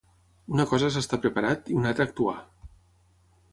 Una cosa és estar preparat i una altra actuar.